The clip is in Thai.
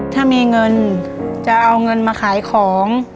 ถ้ามีเงินจะเอาเงินมาขายของ